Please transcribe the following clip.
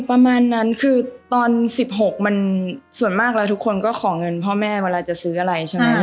ประมาณนั้นคือตอน๑๖มันส่วนมากแล้วทุกคนก็ขอเงินพ่อแม่เวลาจะซื้ออะไรใช่ไหม